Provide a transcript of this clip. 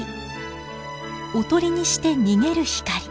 おとりにして逃げる光。